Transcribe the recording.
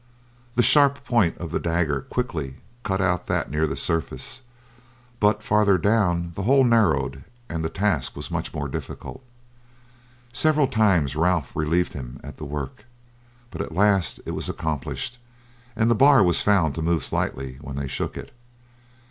The sharp point of the dagger quickly cut out that near the surface, but farther down the hole narrowed and the task was much more difficult. Several times Ralph relieved him at the work, but at last it was accomplished, and the bar was found to move slightly when they shook it.